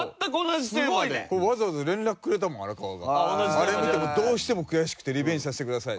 あれ見てどうしても悔しくてリベンジさせてください。